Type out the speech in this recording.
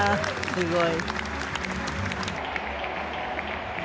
すごい。